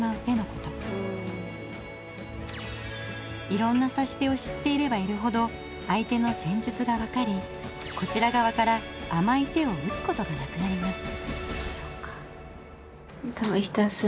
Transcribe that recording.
いろんな指し手を知っていればいるほど相手の戦術が分かりこちら側から甘い手を打つことがなくなります。